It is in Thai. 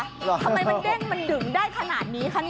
ทำไมมันเด้งมันดึงได้ขนาดนี้คะเนี่ย